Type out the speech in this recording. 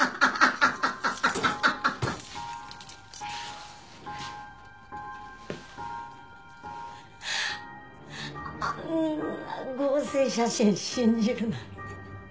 あんな合成写真信じるなんて。